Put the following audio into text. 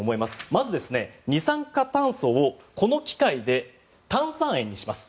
まず、二酸化炭素をこの機械で炭酸塩にします。